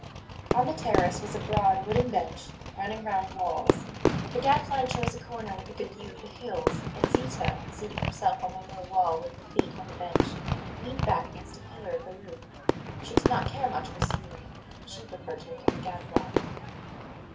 On the terrace was a broad wooden bench running round the walls. The Gadfly chose a corner with a good view of the hills, and Zita, seating herself on the low wall with her feet on the bench, leaned back against a pillar of the roof. She did not care much for scenery; she preferred to look at the Gadfly.